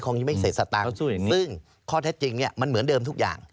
ยังไม่เสร็จสตางค์ซึ่งข้อเท็จจริงเนี่ยมันเหมือนเดิมทุกอย่าง